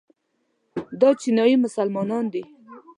دا چیچنیایي مسلمانان دي.